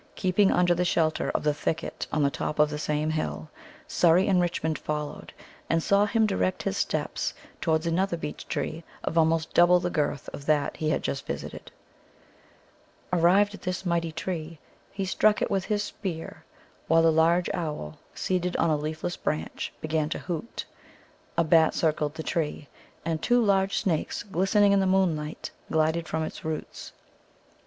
Keeping under the shelter of the thicket on the top of the same hill, Surrey and Richmond followed, and saw him direct his steps towards another beech tree of almost double the girth of that he had just visited. Arrived at this mighty tree, he struck it with his spear, while a large owl, seated on a leafless branch, began to hoot; a bat circled the tree; and two large snakes, glistening in the moonlight, glided from its roots.